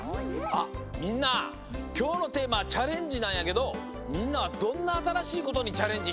みんなきょうのテーマは「チャレンジ」なんやけどみんなはどんなあたらしいことにチャレンジしたい？